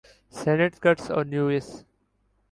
Saint Kitts اور Nevis